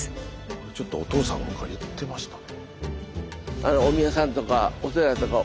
ちょっとお父さんが言ってましたね。